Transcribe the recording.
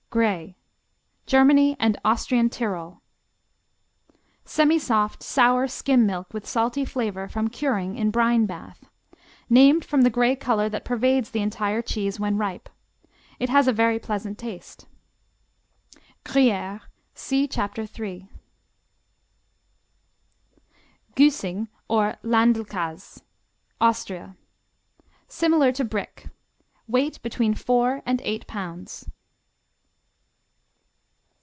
Grey Germany and Austrian Tyrol Semisoft; sour skim milk with salty flavor from curing in brine bath. Named from the gray color that pervades the entire cheese when ripe. It has a very pleasant taste. Gruyère see Chapter 3. Güssing, or Land l kas Austria Similar to Brick. Skim milk. Weight between four and eight pounds.